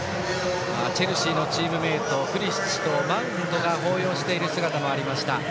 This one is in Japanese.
チェルシーのチームメートプリシッチとマウントが抱擁している姿がありました。